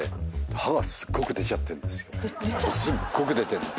すっごく出てんの。